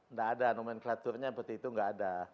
nggak ada nomenklaturnya seperti itu nggak ada